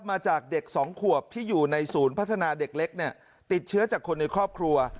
มาจากเด็กสองขวบที่อยู่ในศูนย์พัฒนาเด็กเล็กเนี่ยติดเชื้อจากคนในครอบครัว